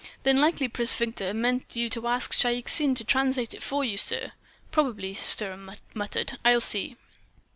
"Then likely Prince Victor meant you to ask Shaik Tsin to translate it for you, sir." "Probably," Sturm muttered. "I'll see."